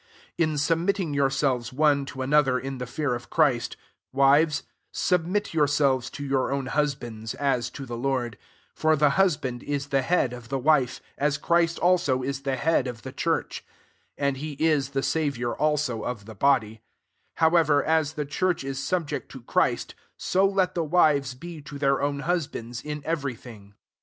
21 In submitting yourselves one to another in the fear of Christ, 22 wives [submit your setves] to your own husbands, a6 to the Lord : 23 for the hus band is the head of the wife, as Christ also is the head of the church: (and he [is] the Saviour aUo of the body:)* 24 however, as the church is subject to Christ, so let the wives be to their [own"] hus • bands ^n every thing.